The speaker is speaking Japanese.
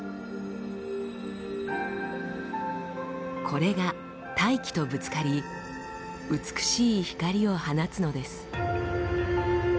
これが大気とぶつかり美しい光を放つのです。